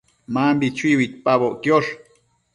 Mambi chui uidpaboc quiosh